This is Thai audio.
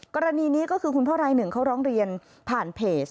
กรณีนี้ก็คือคุณพ่อรายหนึ่งเขาร้องเรียนผ่านเพจ